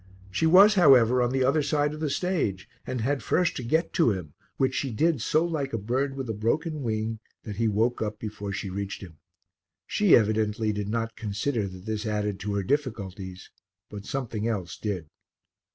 She was, however, on the other side of the stage and had first to get to him, which she did so like a bird with a broken wing that he woke up before she reached him. She evidently did not consider that this added to her difficulties, but something else did.